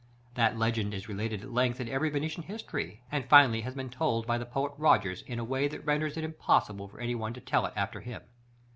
That legend is related at length in every Venetian history, and, finally, has been told by the poet Rogers, in a way which renders it impossible for any one to tell it after him.